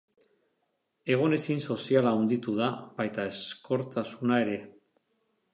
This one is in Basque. Egonezin soziala handitu da, baita ezkortasuna ere.